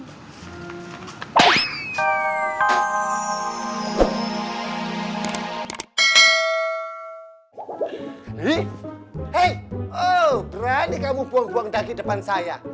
nih hey berani kamu buang buang daging depan saya